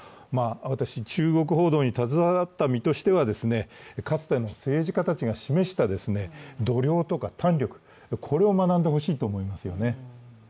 私、中国報道に携わった身としてはかつての政治家たちが示した度量とか胆力を学んでほしいと思いますよね。